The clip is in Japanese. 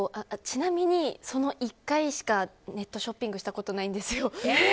ちなみに、その１回しかネットショッピングしたことないんですよ。